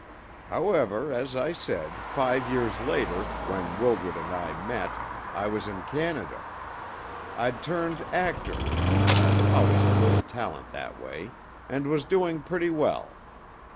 However, as I said, five years later, when Wildred and I met, I was in Canada; I'd turned actor (I'd always a little talent that way), and was doing pretty well.